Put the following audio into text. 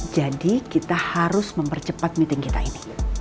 jadi kita harus mempercepat meeting kita ini